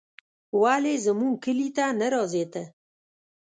ولې زموږ کلي ته نه راځې ته